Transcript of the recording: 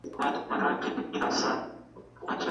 ناکامۍ د بریا پیل دی.